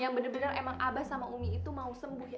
yang benar benar emang abah sama umi itu mau sembuh ya